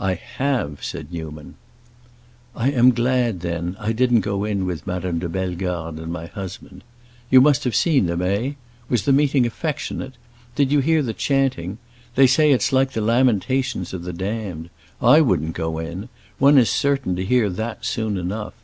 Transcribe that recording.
"I have!" said Newman. "I am glad, then, I didn't go in with Madame de Bellegarde and my husband. You must have seen them, eh? Was the meeting affectionate? Did you hear the chanting? They say it's like the lamentations of the damned. I wouldn't go in: one is certain to hear that soon enough.